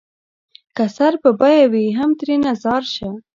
که سر په بيه وي هم ترېنه ځار شــــــــــــــــــه